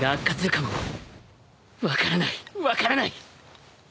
分からない分からない